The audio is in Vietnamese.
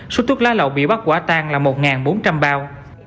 xuất thuốc lá lậu bị bắt quả tan là một bốn trăm linh bao